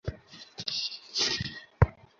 আমি বুঝেছি, মেই-মেই।